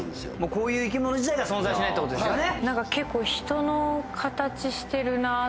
こういう生き物自体が存在しないってことですよね。